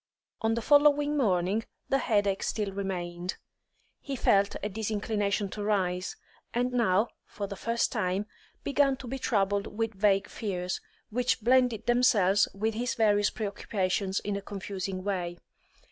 On the following morning the headache still remained; he felt a disinclination to rise, and now, for the first time, began to be troubled with vague fears, which blended themselves with his various pre occupations in a confusing way.